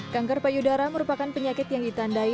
kanker payudara merupakan penyakit yang ditandai